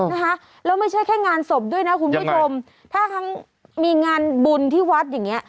นะคะแล้วไม่ใช่แค่งานศพด้วยนะคุณผู้ชมถ้าทั้งมีงานบุญที่วัดอย่างเงี้